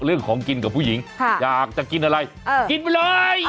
กินกับผู้หญิงอยากจะกินอะไรกินไปเลย